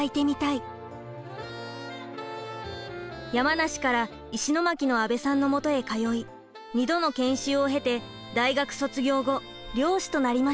山梨から石巻の阿部さんのもとへ通い２度の研修を経て大学卒業後漁師となりました。